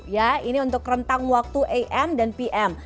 ya ini untuk rentang waktu am dan pm